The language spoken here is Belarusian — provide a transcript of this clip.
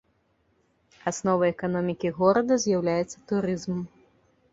Асновай эканомікі горада з'яўляецца турызм.